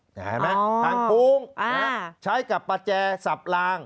เห็นไหมทางโค้งใช้กับประแจสับลาง